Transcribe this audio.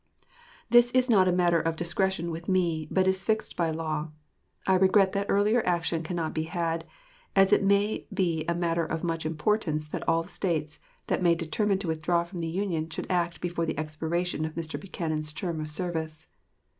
This is not a matter of discretion with me, but is fixed by law. I regret that earlier action cannot be had, as it may be a matter of much importance that all the States that may determine to withdraw from the Union should act before the expiration of Mr. Buchanan's term of service.